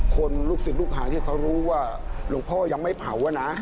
ลูกศิษย์ลูกหาที่เขารู้ว่าหลวงพ่อยังไม่เผาอะนะ